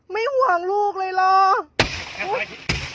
ไม่ห่วงลูกเลย